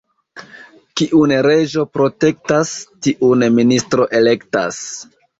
Kiun reĝo protektas, tiun ministro elektas.